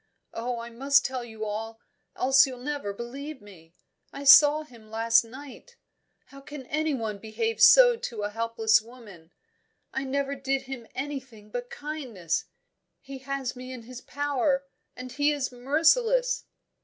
Oh, I must tell you all, else you'll never believe me I saw him last night. How can anyone behave so to a helpless woman? I never did him anything but kindness. He has me in his power, and he is merciless."